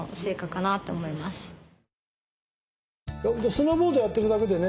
スノーボードやってるだけでね